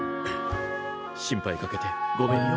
心配かけてごめんよ。